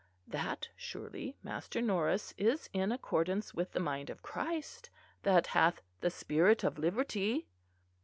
That, surely, Master Norris, is in accordance with the mind of Christ that hath the spirit of liberty."